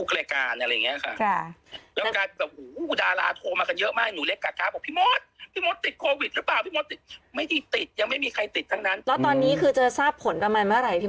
ตี๓ถึงประมาณตอนตี๓ถึง๖โมงเช้าอะไรอย่างนี้